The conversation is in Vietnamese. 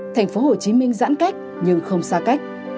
thành phố hồ chí minh giãn cách nhưng không xa cách